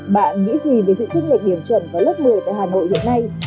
bạn nghĩ gì về dự trích lệch điểm chuẩn vào lớp một mươi tại hà nội hiện nay